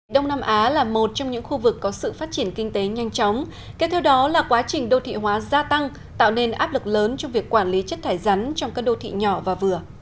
đông nam á là một trong những khu vực có sự phát triển kinh tế nhanh chóng kế theo đó là quá trình đô thị hóa gia tăng tạo nên áp lực lớn trong việc quản lý chất thải rắn trong các đô thị nhỏ và vừa